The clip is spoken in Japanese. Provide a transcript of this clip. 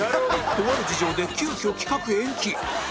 とある事情で急きょ企画延期